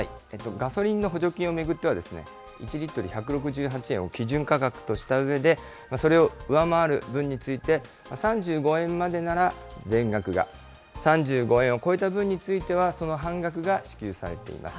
ガソリンの補助金を巡ってはですね、１リットル１６８円を基準価格としたうえで、それを上回る分について、３５円までなら全額が、３５円を超えた分についてはその半額が支給されています。